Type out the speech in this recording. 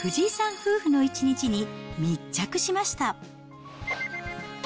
夫婦の一日に密着しました。